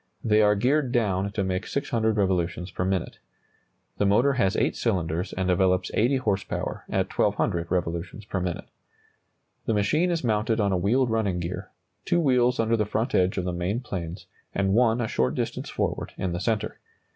They are geared down to make 600 revolutions per minute. The motor has 8 cylinders and develops 80 horse power at 1,200 revolutions per minute. The machine is mounted on a wheeled running gear, two wheels under the front edge of the main planes and one a short distance forward in the centre.